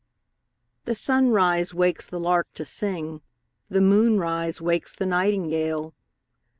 The sunrise wakes the lark to sing, The moonrise wakes the nightingale.